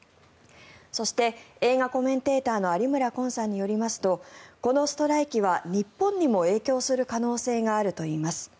そして、映画コメンテーターの有村昆さんによりますとこのストライキは日本にも影響する可能性があるといいます。